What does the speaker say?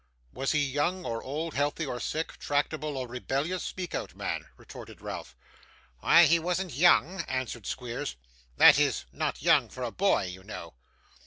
'Was he young or old, healthy or sickly, tractable or rebellious? Speak out, man,' retorted Ralph. 'Why, he wasn't young,' answered Squeers; 'that is, not young for a boy, you know.